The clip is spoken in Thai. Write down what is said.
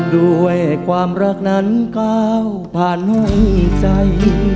ด้วยความรักนั้นก้าวผ่านห้องใจ